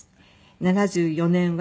「７４年は」